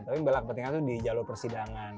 tapi membela kepentingan itu di jalur persidangan